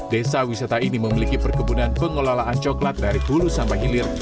desa wisata ini memiliki perkebunan pengelolaan coklat dari hulu sampai hilir